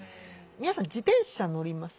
皆さん自転車乗ります？